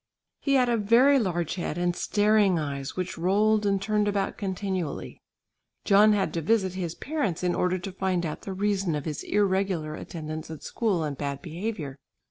He had a very large head and staring eyes which rolled and turned about continually. John had to visit his parents in order to find out the reason of his irregular attendance at school and bad behaviour.